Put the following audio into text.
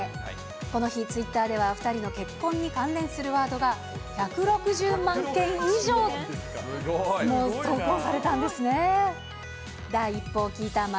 この日、ツイッターでは２人の結婚に関連するワードが１６０万件以上、投稿されたんですね。